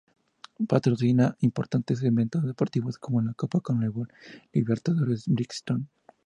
Patrocina importantes eventos deportivos, como la Copa Conmebol Libertadores Bridgestone.